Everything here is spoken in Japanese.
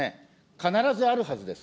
必ずあるはずです。